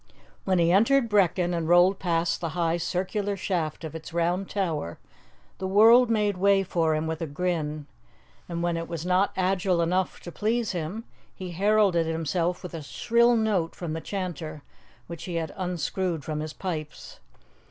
When he entered Brechin and rolled past the high, circular shaft of its round tower, the world made way for him with a grin, and when it was not agile enough to please him, he heralded himself with a shrill note from the chanter, which he had unscrewed from his pipes.